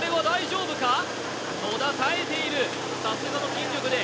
大丈夫か？